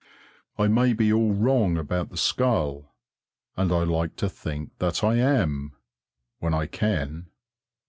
I may be all wrong about the skull, and I like to think that I am when I can.